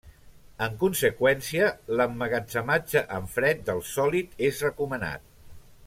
En conseqüència, l'emmagatzematge en fred del sòlid és recomanat.